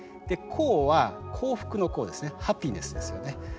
で「こう」は幸福の幸ですね。ハピネスですよね。